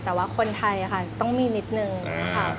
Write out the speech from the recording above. แต่ว่าคนไทยค่ะต้องมีนิดนึงค่ะ